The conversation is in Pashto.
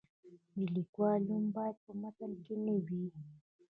د لیکوال نوم باید په متن کې نه وي.